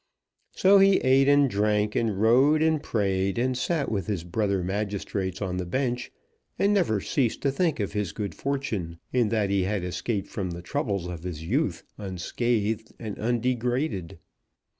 So he eat and drank, and rode and prayed, and sat with his brother magistrates on the bench, and never ceased to think of his good fortune, in that he had escaped from the troubles of his youth, unscathed and undegraded.